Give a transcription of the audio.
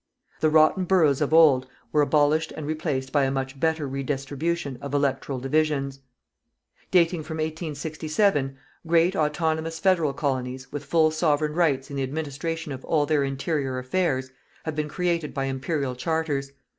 The rotten boroughs of old were abolished and replaced by a much better redistribution of electoral divisions. Dating from 1867, great autonomous federal colonies, with full Sovereign rights in the administration of all their interior affairs, have been created by Imperial charters.